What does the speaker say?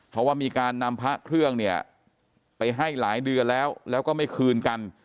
เพราะว่ามีการนำพระเครื่องเนี่ยไปให้หลายเดือนแล้วแล้วก็ไม่คืนกัน